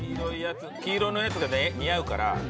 黄色のやつがね似合うから。